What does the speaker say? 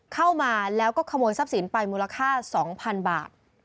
เข้ามาแล้วก็ขโมยทรัพย์สินไปมูลค่า๒๐๐๐บาท